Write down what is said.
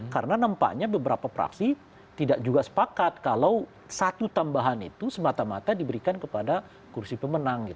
karena nampaknya beberapa praksi tidak juga sepakat kalau satu tambahan itu semata mata diberikan kepada kursi pemenang